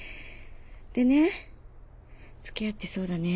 でね付き合ってそうだね。